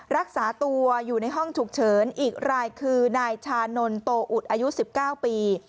รักษาตัวอยู่ในห้องฉุกเฉินอีกรายคือนายชานนทโตอุดอายุ๑๙ปี